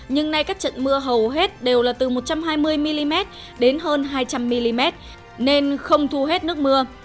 nhưng nay các trận mưa hầu hết đều là từ một trăm hai mươi mm đến hơn hai trăm linh mm nên không thu hết nước mưa